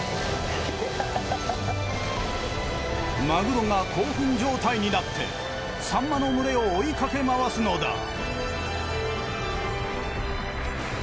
マグロが興奮状態になってサンマの群れを追いかけ回すのだ。